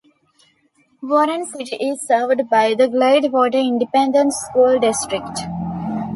Warren City is served by the Gladewater Independent School District.